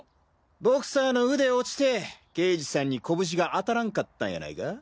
ボクサーの腕落ちて刑事さんに拳が当たらんかったんやないか？